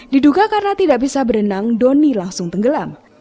diduga karena tidak bisa berenang doni langsung tenggelam